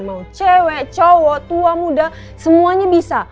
mau cewek cowok muda semuanya bisa